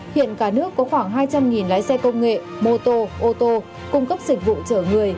hiện cả nước có khoảng hai trăm linh lái xe công nghệ mô tô ô tô cung cấp dịch vụ chở người